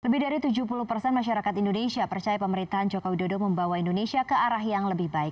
lebih dari tujuh puluh persen masyarakat indonesia percaya pemerintahan joko widodo membawa indonesia ke arah yang lebih baik